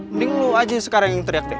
mending lu aja sekarang yang teriak teri